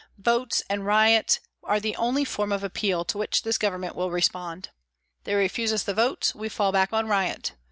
Votes and riot are the only form of appeal to which this Government will respond. They refuse us votes, we fall back on riot.